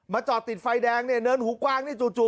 จอดติดไฟแดงเนี่ยเนินหูกว้างนี่จู่